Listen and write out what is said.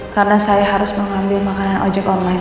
karena saya harus mengambil makanan ojek online